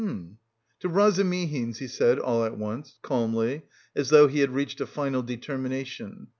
"Hm... to Razumihin's," he said all at once, calmly, as though he had reached a final determination.